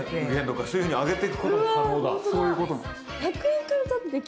そういうことなんです。